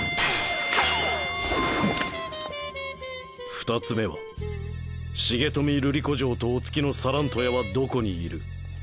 ２つ目は重富瑠璃子嬢とお付きのサラントヤはどこにいる？